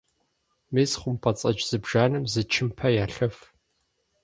Мис хъумпӏэцӏэдж зыбжанэм зы чымпэ ялъэф.